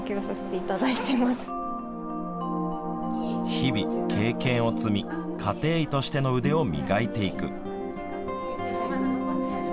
日々、経験を積み家庭医としての腕を磨いていく。